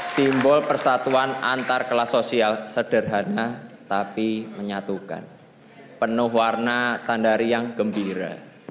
simbol persatuan antarkelas sosial sederhana tapi menyatukan penuh warna tandari yang gembira